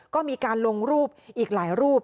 ก็มีการลงรูปอีกหลายรูป